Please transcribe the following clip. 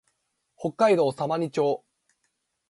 北海道様似町